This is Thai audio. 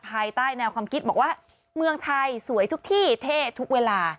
ภายใต้แนวความคิดบอกว่าเมืองไทยสวยทุกที่เท่ทุกเวลา